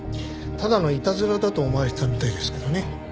ただのいたずらだと思われてたみたいですけどね。